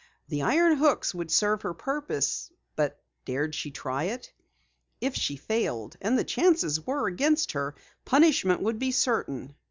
The iron hooks would serve her purpose, but dared she try it? If she failed and the chances were against her punishment would be certain.